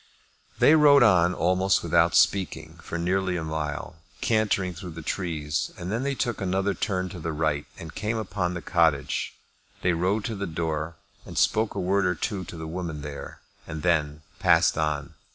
They rode on almost without speaking for nearly a mile, cantering through the trees, and then they took another turn to the right, and came upon the cottage. They rode to the door, and spoke a word or two to the woman there, and then passed on.